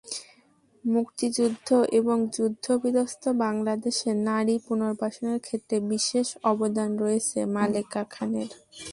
মুক্তিযুদ্ধ এবং যুদ্ধবিধ্বস্ত বাংলাদেশে নারী পুনর্বাসনের ক্ষেত্রে বিশেষ অবদান রয়েছে মালেকা খানের।